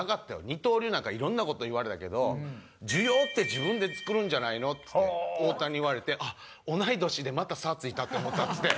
「二刀流なんかいろんな事言われたけど需要って自分でつくるんじゃないの」っつって大谷に言われて同い年でまた差ついたって思ったんですって。